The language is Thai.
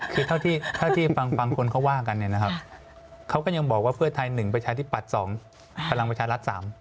คือเท่าที่ฟังคนเขาว่ากันเนี่ยนะครับเขาก็ยังบอกว่าเพื่อไทย๑ประชาธิปัตย์๒พลังประชารัฐ๓